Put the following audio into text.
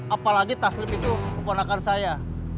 apalagi taslim itu keponakan saya